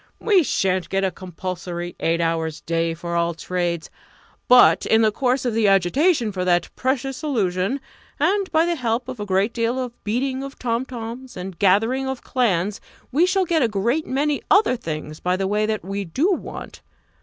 We shan't get a compulsory eight hours' day for all trades but in the course of the agitation for that precious illusion, and by the help of a great deal of beating of tom toms, and gathering of clans, we shall get a great many other things by the way that we do want.